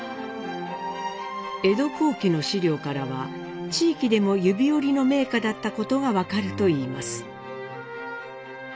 江戸後期の史料からは地域でも指折りの名家だったことが分かるといいます。